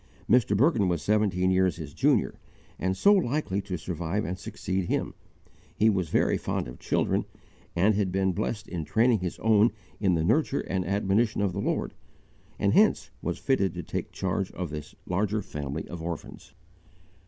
Mr. Bergin was seventeen years his junior, and so likely to survive and succeed him; he was very fond of children, and had been much blessed in training his own in the nurture and admonition of the Lord, and hence was fitted to take charge of this larger family of orphans.